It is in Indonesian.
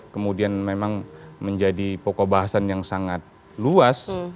kemudian memang menjadi pokok bahasan yang sangat luas